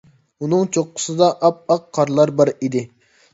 ئۇنىڭ چوققىسىدا ئاپئاق قارلار بار ئىدى.